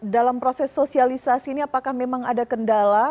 dalam proses sosialisasi ini apakah memang ada kendala